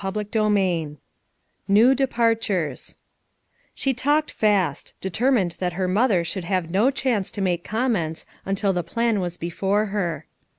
CHAPTEE XXTT KEW DEPARTURES She talked fast; determined that her mother should have no chance to make comments until the plan was before her.